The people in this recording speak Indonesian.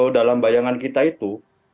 dalam bayangan kita itu